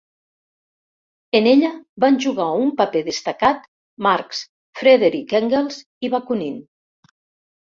En ella van jugar un paper destacat Marx, Friedrich Engels i Bakunin.